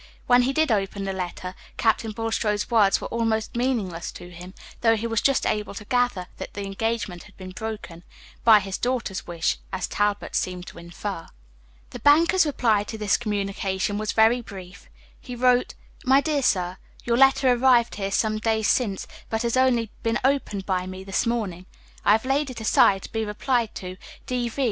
When he did open the letter, Captain Bulstrode's words were almost meaningless to him, though he was just able to gather that the engagement had been broken by his daughter's wish, as Talbot seemed to infer. The banker's reply to this communication was very brief; he wrote: "MY DEAR SIR Your letter arrived here some days since, but has only been opened by me this morning. I have laid it aside, to be replied to, D.V.